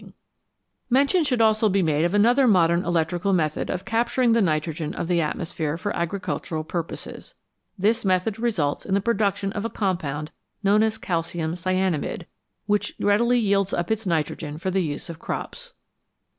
CHEMISTRY AND AGRICULTURE Mention should also be made of another modern electrical method of capturing the nitrogen of the atmosphere for agricultural purposes. This method results in the production of a compound known as calcium cyanamide, which readily yields up its nitrogen for the use of crops.